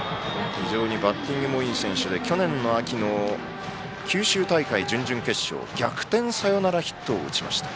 非常にバッティングもいい選手で去年の秋の九州大会の準々決勝逆転サヨナラヒットを打ちました。